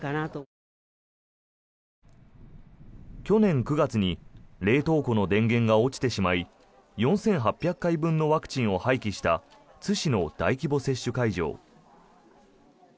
去年９月に冷凍庫の電源が落ちてしまい４８００回分のワクチンを廃棄した津市の大規模接種会場。